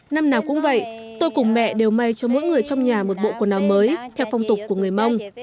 năm nào cũng vậy tôi cùng mẹ đều may cho mỗi người trong nhà một bộ quần áo mới theo phong tục của người mông